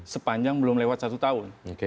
sepanjang belum lewat satu tahun